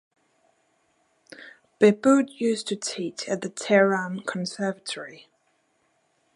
Behboud used to teach at the Tehran Conservatory.